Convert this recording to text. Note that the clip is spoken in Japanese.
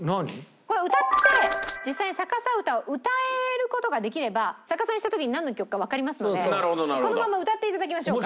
これ歌って実際に逆さ歌を歌える事ができれば逆さにした時になんの曲かわかりますのでこのまま歌って頂きましょうか。